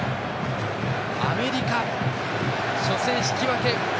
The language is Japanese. アメリカ、初戦引き分け。